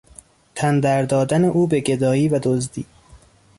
تن در دادن او به گدایی و دزدی